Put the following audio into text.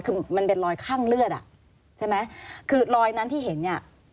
คือมันเป็นรอยข้างเลือดอ่ะใช่ไหมคือรอยนั้นที่เห็นเนี่ย